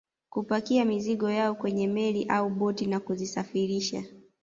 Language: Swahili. Kupakia mizigo yao kwenye meli au boti na kuzisafirisha